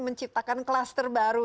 menciptakan kluster baru